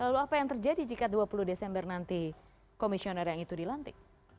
lalu apa yang terjadi jika dua puluh desember nanti komisioner yang itu dilantik